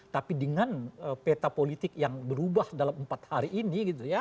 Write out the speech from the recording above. tapi dengan peta politik yang berubah dalam empat hari ini gitu ya